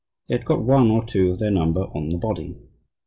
They had got one or two of their number on the body.